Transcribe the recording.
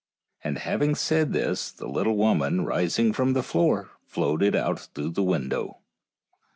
And having said this the little woman, rising from the floor, floated out through the window.